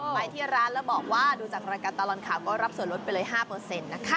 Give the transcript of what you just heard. ไปที่ร้านแล้วบอกว่าดูจากรายการตลอดข่าวก็รับส่วนลดไปเลย๕นะคะ